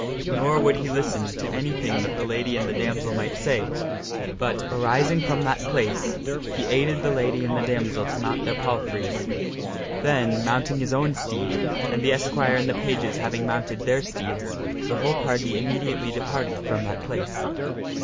Nor would he listen to anything that the lady and the damsel might say, but, arising from that place, he aided the lady and the damsel to mount their palfreys. Then mounting his own steed, and the esquire and the pages having mounted their steeds, the whole party immediately departed from that place.